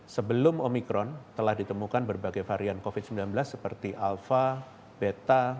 sebelum omikron telah ditemukan berbagai varian covid sembilan belas seperti alpha beta